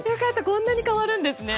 こんなに変わるんですね。